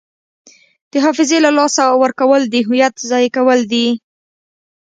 د حافظې له لاسه ورکول د هویت ضایع کول دي.